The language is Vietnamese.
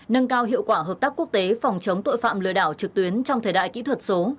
nâng cao hiệu quả hợp tác quốc tế phòng chống tội phạm lừa đảo trực tuyến trong thời đại kỹ thuật số